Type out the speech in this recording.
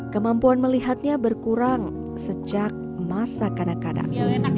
kemampuan melihatnya berkurang sejak masa kanak kanak